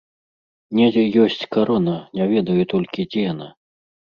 Недзе ёсць карона, не ведаю толькі, дзе яна.